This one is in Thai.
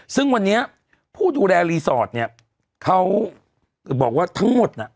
ซึ่งวันนี้ผู้ดูแลรีสอร์ทเนี่ยเขาบอกว่าทั้งหมดน่ะ